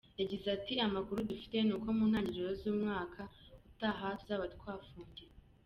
Yagize ati “Amakuru dufite ni uko mu ntangiriro z’umwaka utaha tuzaba twafungiwe.